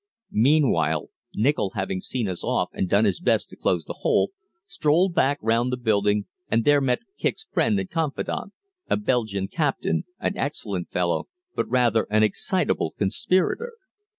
Meanwhile Nichol, having seen us off and done his best to close the hole, strolled back round the building and there met Kicq's friend and confidant, a Belgian captain, an excellent fellow but rather an excitable conspirator.